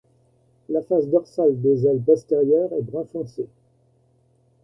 La face dorsale des ailes postérieures est brun foncé.